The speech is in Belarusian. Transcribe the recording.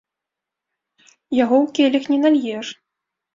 Яго ў келіх не нальеш.